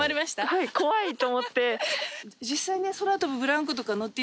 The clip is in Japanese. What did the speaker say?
はい怖い！と思って。